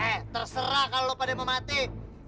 eh terserah kalau lo pada mematikan